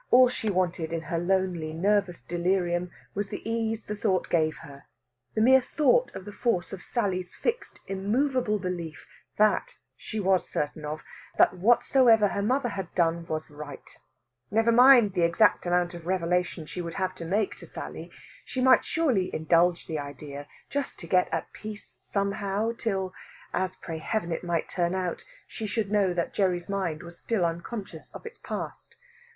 All she wanted in her lonely, nervous delirium was the ease the thought gave her, the mere thought of the force of Sally's fixed, immovable belief that she was certain of that whatsoever her mother had done was right. Never mind the exact amount of revelation she would have to make to Sally. She might surely indulge the idea, just to get at peace somehow, till as pray Heaven it might turn out she should know that Gerry's mind was still unconscious of its past.